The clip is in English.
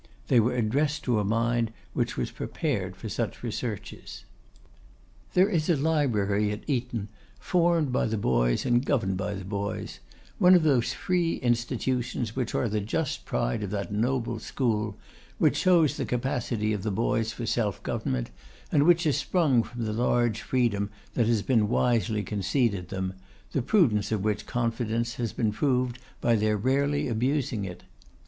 They were addressed to a mind which was prepared for such researches. There is a Library at Eton formed by the boys and governed by the boys; one of those free institutions which are the just pride of that noble school, which shows the capacity of the boys for self government, and which has sprung from the large freedom that has been wisely conceded them, the prudence of which confidence has been proved by their rarely abusing it.